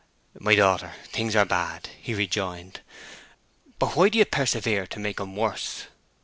"My daughter, things are bad," he rejoined. "But why do you persevere to make 'em worse?